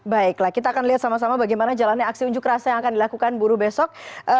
baiklah kita akan lihat sama sama bagaimana jalannya aksi unjuk rasa yang akan dilakukan buruh besok